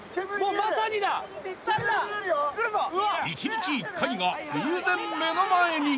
［１日１回が偶然目の前に］